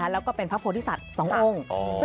แล้วก็เป็นพระพุทธศัตริย์๒องค์